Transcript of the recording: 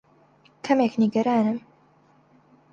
کەمێک نیگەرانم.